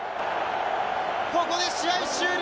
ここで試合終了！